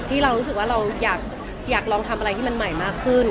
ที่เรารู้สึกว่าเราอยากลองทำอะไรที่มันใหม่มากขึ้น